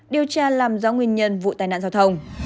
điều tra làm rõ nguyên nhân vụ tai nạn giao thông